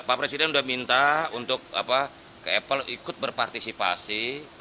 pak presiden sudah minta untuk ke apple ikut berpartisipasi